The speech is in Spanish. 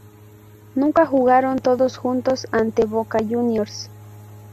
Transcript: Nunca jugaron, todos juntos ante Boca Juniors.